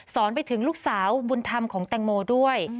ไปถึงลูกสาวบุญธรรมของแตงโมด้วย